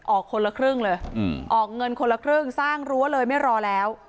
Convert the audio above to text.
ออกคนละครึ่งเลยออกเงินคนละครึ่งสร้างรั้วเลยไม่รอแล้ว